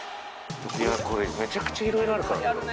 これめちゃくちゃいろいろあるからね